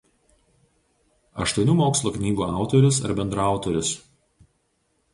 Aštuonių mokslo knygų autorius ar bendraautorius.